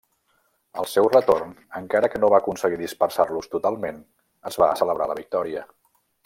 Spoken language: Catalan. Al seu retorn, encara que no va aconseguir dispersar-los totalment, es va celebrar la victòria.